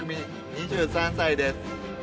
２３歳です。